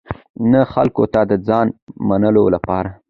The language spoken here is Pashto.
نه خلکو ته د ځان منلو لپاره.